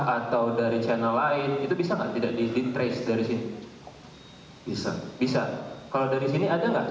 atau dari channel lain itu bisa nggak di litrase dari sini bisa bisa kalau dari sini ada nggak